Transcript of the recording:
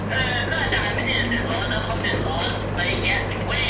ทีนี้เนี่ยอย่างพวกที่๒๔๐๐ทีมีถ้าเข้าแล้วรอบเนี่ย